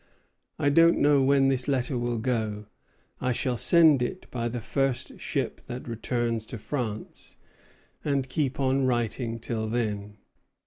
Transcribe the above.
I don't know when this letter will go. I shall send it by the first ship that returns to France, and keep on writing till then.